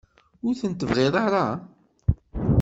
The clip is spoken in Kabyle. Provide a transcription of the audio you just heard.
Ur ten-tebɣiḍ ara?